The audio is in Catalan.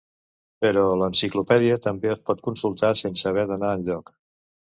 Però l'enciclopèdia també es pot consultar sense haver d'anar enlloc.